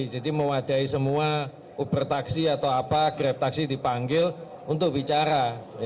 jadi mewadahi semua ubertaksi atau apa greptaksi dipanggil untuk bicara